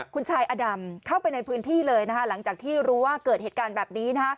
คุณชายอดำเข้าไปในพื้นที่เลยหลังจากที่รู้ว่าเกิดเหตุการณ์แบบนี้